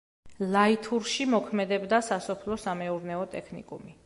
ლაითურში მოქმედებდა სასოფლო-სამეურნეო ტექნიკუმი.